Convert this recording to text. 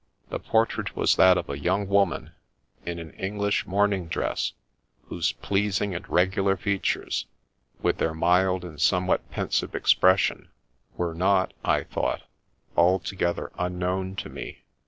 The portrait was that of a young woman, in an English morning dress, whose pleasing and regular features, with their mild and somewhat pensive expression, were not, I thought, altogether unknown to me.